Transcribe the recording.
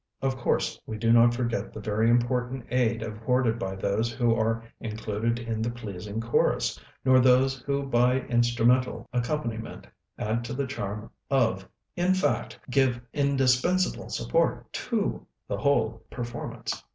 Of course we do not forget the very important aid afforded by those who are included in the pleasing chorus, nor those who by instrumental accompaniment add to the charm of in fact, give indispensable support to the whole performance.